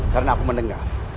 karena aku mendengar